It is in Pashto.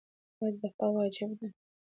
آیا دفاع واجب ده؟